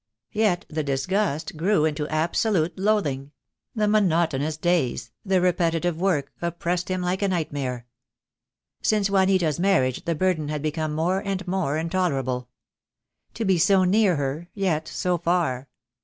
Yet the disgust grew into absolute loathing; the monotonous days, the repetitive work, oppressed him like a nightmare. Since Juanita's marriage the burden had become more and more in tolerable. To be so near her, yet so far.